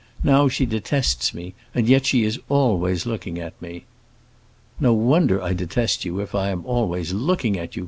Now she detests me, and yet she is always looking at me." "No wonder I detest you if I am always looking at you!"